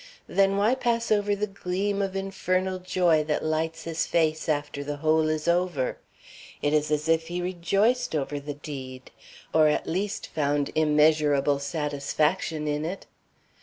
Then, why pass over the gleam of infernal joy that lights his face after the whole is over? It is as if he rejoiced over the deed, or at least found immeasurable satisfaction in it."